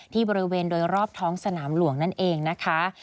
บริเวณโดยรอบท้องสนามหลวงนั่นเองนะคะ